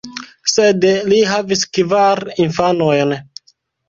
Sed li havis kvar infanojn.